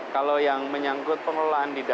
kalau yang menyangkut pengelolaan di dki jakarta